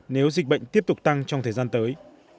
nếu dịch bệnh tiếp tục tăng trong thời gian tới